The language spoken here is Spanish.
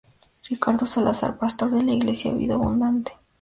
Ricardo Salazar, pastor de la Iglesia Vida Abundante.